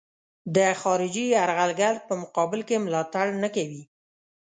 د خارجي یرغلګر په مقابل کې ملاتړ نه کوي.